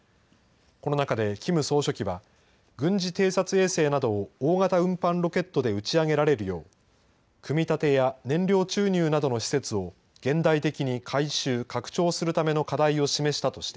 この中でキム総書記は、軍事偵察衛星などを大型運搬ロケットで打ち上げられるよう、組み立てや燃料注入などの施設を現代的に改修・拡張するための